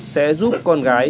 sẽ giúp đỡ các con gái